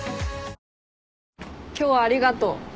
今日はありがとう。